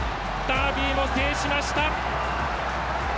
ダービーも制しました。